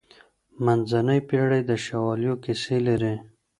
منځنۍ پېړۍ د شواليو کيسې لري.